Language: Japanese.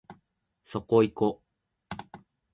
そこいこ